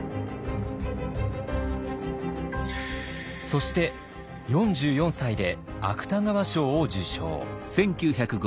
そして４４歳で芥川賞を受賞。